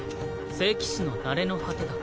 聖騎士のなれの果てだ。